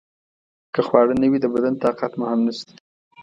که خواړه نه وي د بدن طاقت مو هم نشته.